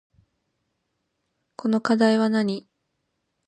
この課題はなに